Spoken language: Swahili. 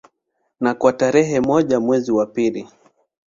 Na kwa tarehe moja mwezi wa pili